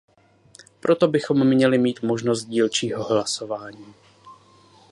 Proto bychom měli mít možnost dílčího hlasování.